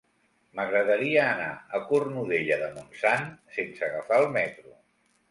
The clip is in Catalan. M'agradaria anar a Cornudella de Montsant sense agafar el metro.